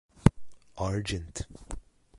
Argent.